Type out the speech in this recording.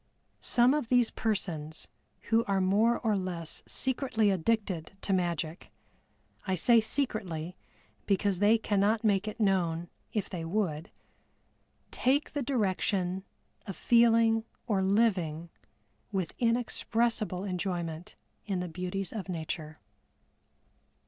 Some of these persons who are more or less secretly addicted to magic (I say secretly, because they cannot make it known if they would), take the direction of feeling or living with inexpressible enjoyment in the beauties of nature.